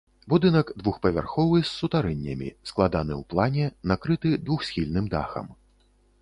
Будынак двухпавярховы з сутарэннямі, складаны ў плане, накрыты двухсхільным дахам.